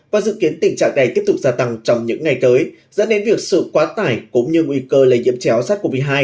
và dự kiến tình trạng này tiếp tục gia tăng trong những ngày tới dẫn đến việc sự quá tải cũng như nguy cơ lây nhiễm chéo sars cov hai